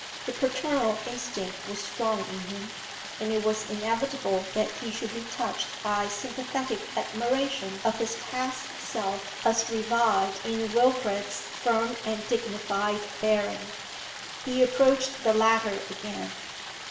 The paternal instinct was strong in him, and it was inevitable that he should be touched by sympathetic admiration of his past self as revived in Wilfrid's firm and dignified bearing. He approached the latter again.